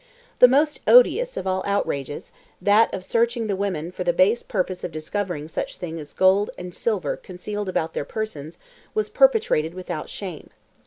The most odious of all outrages, that of searching the women for the base purpose of discovering such things as gold and silver concealed about their persons, was perpetrated without shame.